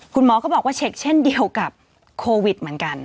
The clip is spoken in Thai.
คุณหมอก็บอกว่าเช็คเช่นเดียวกับโควิดเหมือนกัน